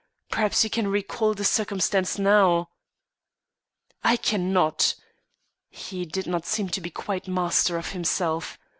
Perhaps you can recall the circumstance now." "I cannot." He did not seem to be quite master of himself.